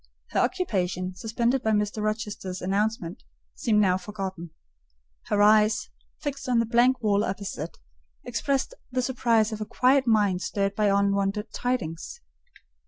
Her occupation, suspended by Mr. Rochester's announcement, seemed now forgotten: her eyes, fixed on the blank wall opposite, expressed the surprise of a quiet mind stirred by unwonted tidings.